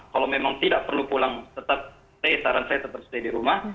kalau memang tidak perlu pulang tetap stay saran saya tetap stay di rumah